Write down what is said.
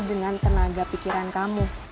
dengan tenaga pikiran kamu